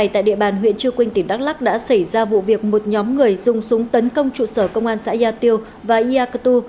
tại địa bàn huyện chư quynh tỉnh đắk lắc đã xảy ra vụ việc một nhóm người dùng súng tấn công trụ sở công an xã gia tiêu và ia cơ tu